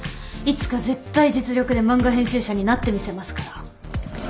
いつか絶対実力で漫画編集者になってみせますから。